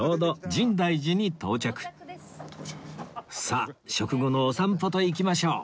さあ食後のお散歩といきましょう